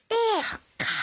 そっか。